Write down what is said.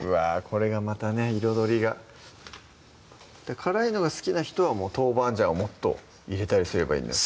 これがまたね彩りが辛いのが好きな人は豆板醤をもっと入れたりすればいいんですか？